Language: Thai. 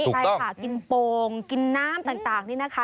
ใช่ค่ะกินโป่งกินน้ำต่างนี่นะคะ